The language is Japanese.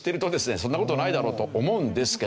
そんな事ないだろうと思うんですけど。